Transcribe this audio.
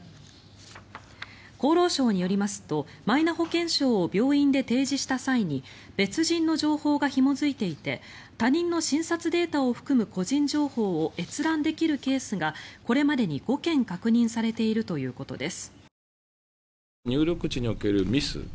厚労省によりますとマイナ保険証を病院で提示した際に別人の情報がひも付いていて他人の診察データを含む個人情報を閲覧できるケースがこれまでに５件確認されているということです。